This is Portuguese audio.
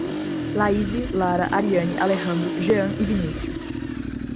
Laíse, Lara, Ariane, Alejandro, Gean e Vinício